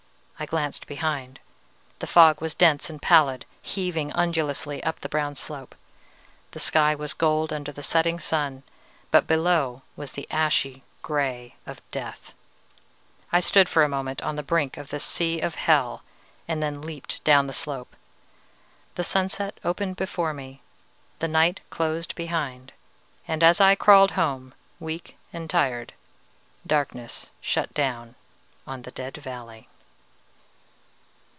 I glanced behind. The fog was dense and pallid, heaving undulously up the brown slope. The sky was gold under the setting sun, but below was the ashy gray of death. I stood for a moment on the brink of this sea of hell, and then leaped down the slope. The sunset opened before me, the night closed behind, and as I crawled home weak and tired, darkness shut down on the Dead Valley."